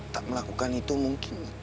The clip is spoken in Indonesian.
tak melakukan itu mungkin